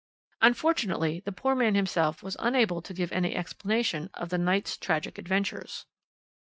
Unfortunately, the poor man himself was unable to give any explanation of the night's tragic adventures.